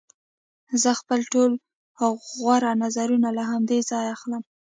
زه خپل ټول غوره نظرونه له همدې ځایه اخلم